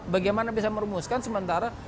bagaimana bisa merumuskan sementara